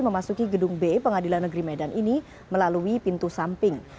memasuki gedung b pengadilan negeri medan ini melalui pintu samping